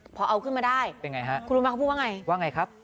พอเอาขึ้นมาได้เป็นไงฮะคุณรู้ไหมเขาพูดว่าไงว่าไงครับ